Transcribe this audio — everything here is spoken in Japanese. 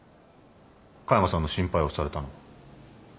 加山さんの心配をされたのは。